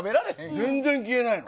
全然消えないもん。